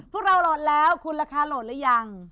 พวกเราโหลดแล้วคุณราคาโหลดหรือยัง